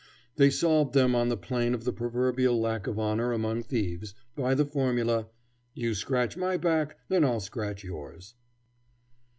They solved them on the plane of the proverbial lack of honor among thieves, by the formula, "You scratch my back, and I'll scratch yours."